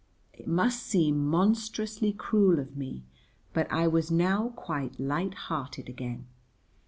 It must seem monstrously cruel of me, but I was now quite light hearted again.